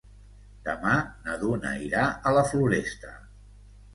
Demà na Duna irà a la Floresta.